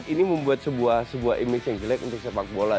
ini membuat sebuah image yang jelek untuk sepak bola